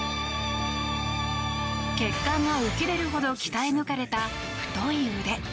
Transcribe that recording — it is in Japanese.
血管が浮き出るほど鍛え抜かれた太い腕。